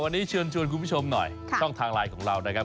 วันนี้เชิญชวนคุณผู้ชมหน่อยช่องทางไลน์ของเรานะครับ